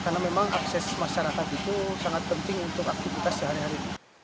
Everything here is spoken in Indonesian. karena memang akses masyarakat itu sangat penting untuk aktivitas sehari hari